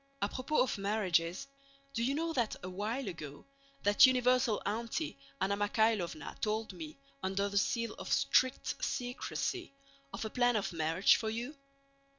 À propos of marriages: do you know that a while ago that universal auntie Anna Mikháylovna told me, under the seal of strict secrecy, of a plan of marriage for you.